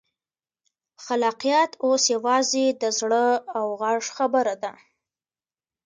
خلاقیت اوس یوازې د زړه او غږ خبره ده.